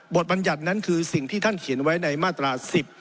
บัญญัตินั้นคือสิ่งที่ท่านเขียนไว้ในมาตรา๑๐